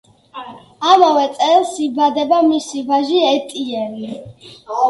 ამავე წელს იბადება მისი ვაჟი, ეტიენი.